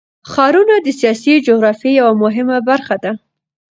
ښارونه د سیاسي جغرافیه یوه مهمه برخه ده.